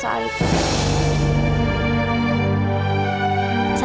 saya pasti akan jaga jantung saya